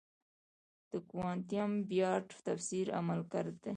د کوانټم بیارد تفسیر عملگر دی.